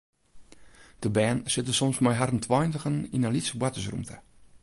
De bern sitte soms mei harren tweintigen yn in lytse boartersrûmte.